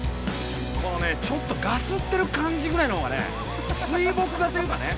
このねちょっとガスってる感じぐらいのほうがね水墨画というかね